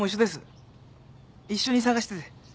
一緒に捜してて。